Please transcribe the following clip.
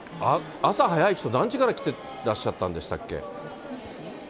朝早い人、何時から来てらっしゃったんでしたっけ？